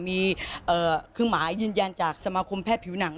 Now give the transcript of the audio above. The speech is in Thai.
มีคือหมายยืนยันจากสมาคมแพทย์ผิวหนัง